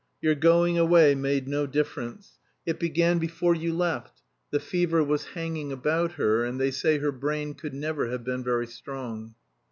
Your going away made no difference. It began before you left the fever was hanging about her; and they say her brain could never have been very strong."